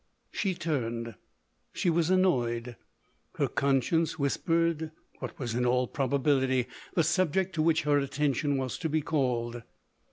She turned — she was annoyed ; her conscience whispered what was in all probability the sub ject to which her attention was to be called.